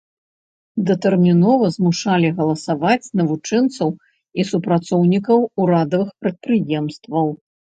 Датэрмінова змушалі галасаваць навучэнцаў і супрацоўнікаў урадавых прадпрыемстваў.